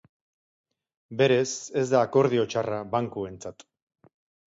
Berez, ez da akordio txarra bankuentzat.